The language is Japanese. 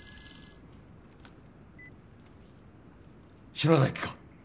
篠崎か？